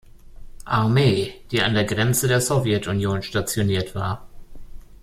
Armee, die an der Grenze der Sowjetunion stationiert war.